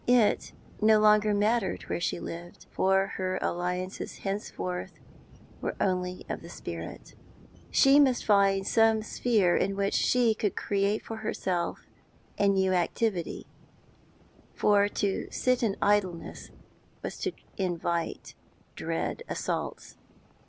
It no longer mattered where she lived, for her alliances henceforth were only of the spirit. She must find some sphere in which she could create for herself a new activity, for to sit in idleness was to invite dread assaults.